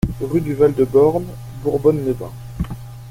Rue du Val de Borne, Bourbonne-les-Bains